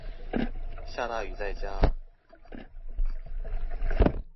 下大雨在家